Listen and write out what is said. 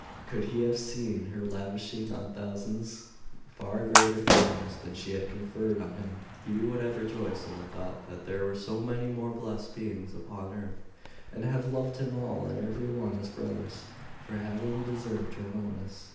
Could he have seen her lavishing on thousands far greater favours than she had conferred on him, he would have rejoiced in the thought that there were so many more blest beings upon earth, and have loved them all and every one as brothers, for having deserved her notice.